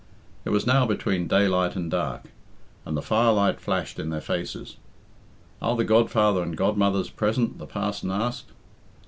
It was now between daylight and dark, and the firelight flashed in their faces. "Are the godfather and godmothers present?" the parson asked.